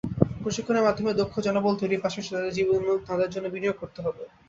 প্রশিক্ষণের মাধ্যমে দক্ষ জনবল তৈরির পাশাপাশি তাঁদের জন্য বিনিয়োগ করতে হবে।